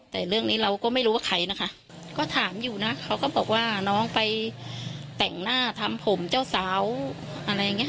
แต่เรื่องนี้เราก็ไม่รู้ว่าใครนะคะก็ถามอยู่นะเขาก็บอกว่าน้องไปแต่งหน้าทำผมเจ้าสาวอะไรอย่างนี้ค่ะ